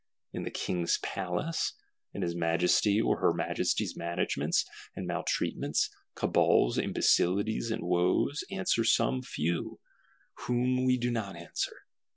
_ In the King's Palace, in his Majesty's or her Majesty's managements, and maltreatments, cabals, imbecilities and woes, answer some few:—whom we do not answer.